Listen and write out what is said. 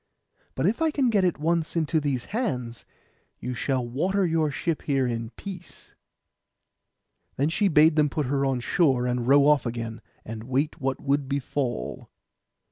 But if I can get it once into these hands, you shall water your ship here in peace.' Then she bade them put her on shore, and row off again, and wait what would befall.